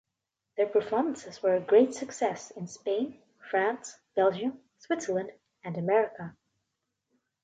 Their performances were a great success in Spain, France, Belgium, Switzerland and America.